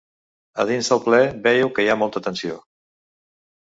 A dins del ple veieu que hi ha molta tensió.